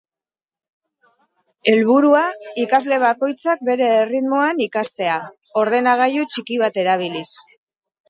Helburua, ikasle bakoitzak bere erritmoan ikastea, ordenagailu txiki bat erabiliz.